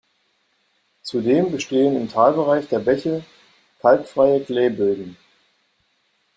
Zudem bestehen im Talbereich der Bäche kalkfreie Gley-Böden.